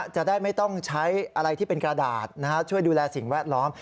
จะได้ไม่ต้องใช้อะไรที่เป็นกระดาษช่วยดูแลสิ่งแวดล้อม